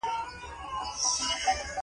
د افغانستان درې رنګه بېرغ ښکلی او رپاند دی